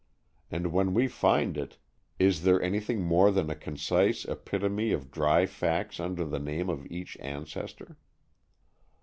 And when we find it, is there anything more than a concise epitome of dry facts under the name of each ancestor?